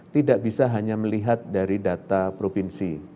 tidak bisa hanya melihat dari data provinsi